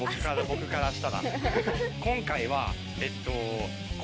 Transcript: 僕からしたら。